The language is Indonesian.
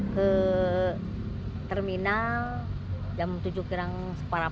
ke terminal jam tujuh kurang separah empat